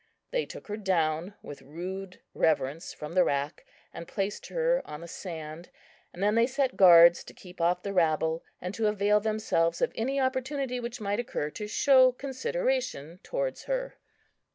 They took her down with rude reverence from the rack, and placed her on the sand; and then they set guards to keep off the rabble, and to avail themselves of any opportunity which might occur to show consideration towards her.